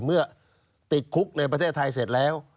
เมื่อติดคุกในประเทศไทยเสร็จแล้ว